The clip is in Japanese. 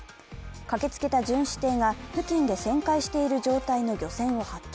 駆けつけた巡視艇が付近で旋回している状態の漁船を発見。